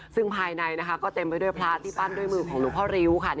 ซึ่งภายในก็เต็มไปด้วยพระที่ปั้นด้วยมือของหลวงพ่อริ้วค่ะ